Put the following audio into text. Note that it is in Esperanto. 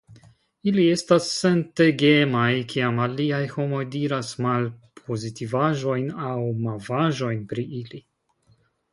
Ili estas sentegemaj kiam aliaj homoj diras malpozitivaĵojn aŭ mavaĵojn pri ili.